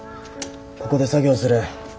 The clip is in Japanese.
ここで作業する。